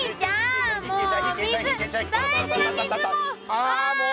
ああもう！